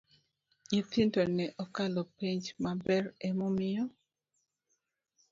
Nyithindo ne okalo penj maber emomiyo